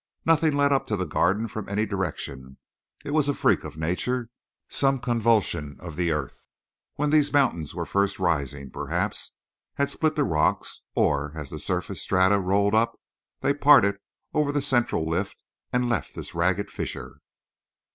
Nothing led up to the Garden from any direction; it was a freak of nature. Some convulsion of the earth, when these mountains were first rising, perhaps, had split the rocks, or as the surface strata rolled up, they parted over the central lift and left this ragged fissure.